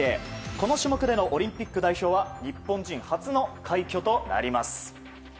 この種目でのオリンピック代表は日本人初の快挙となります。